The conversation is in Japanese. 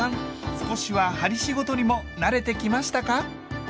少しは針仕事にも慣れてきましたか？